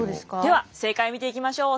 では正解見ていきましょう。